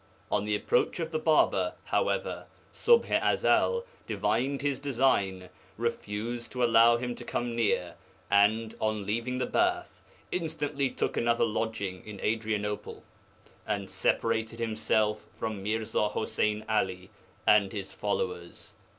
On the approach of the barber, however, Ṣubḥ i Ezel divined his design, refused to allow him to come near, and, on leaving the bath, instantly took another lodging in Adrianople, and separated himself from Mirza Ḥuseyn 'Ali and his followers.'